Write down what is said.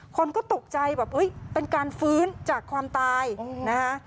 คนก็ตกใจแบบเฮ้ยเป็นการฟื้นจากความตายนะคะ